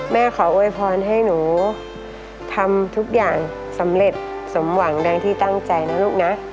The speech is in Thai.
ขอโวยพรให้หนูทำทุกอย่างสำเร็จสมหวังดังที่ตั้งใจนะลูกนะ